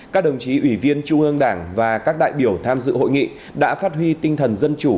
các đồng chí ủy viên trung ương đảng và các đại biểu tham dự hội nghị đã phát huy tinh thần dân chủ